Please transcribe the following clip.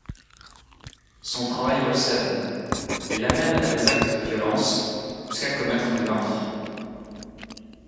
Son travail l'obsède, et l'amène à des actes de violence, jusqu'à commettre des meurtres.